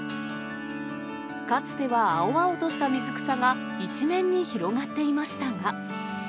かつては青々とした水草が一面に広がっていましたが。